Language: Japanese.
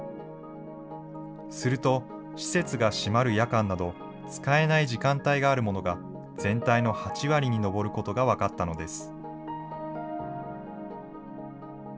すると、施設が閉まる夜間など、使えない時間帯があるものが全体の８割に上ることが分かったのです。